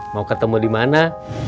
mau ketemu dimana